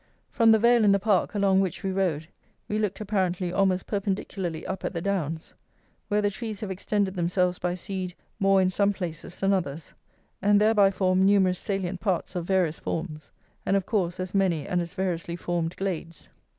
From the vale in the park, along which we rode, we looked apparently almost perpendicularly up at the downs, where the trees have extended themselves by seed more in some places than others, and thereby formed numerous salient parts of various forms, and, of course, as many and as variously formed glades.